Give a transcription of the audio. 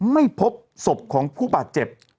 ไม่พบศพของผู้บาดเจ็บ